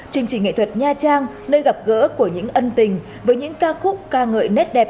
chương trình nghệ thuật nha trang nơi gặp gỡ của những ân tình với những ca khúc ca ngợi nét đẹp